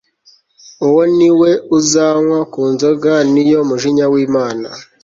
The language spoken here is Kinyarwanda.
uwo ni we uzanywa ku nzoga ni yo mujinya wImana